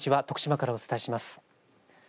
徳島からお伝えします。